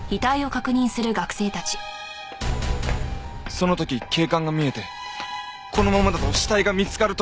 その時警官が見えてこのままだと死体が見つかると思って。